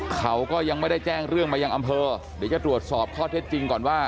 เขาก็ยังไม่ได้แจ้งเรื่องมายังอำเภอเดี๋ยวจะตรวจสอบข้อเท็จจริงก่อนว่า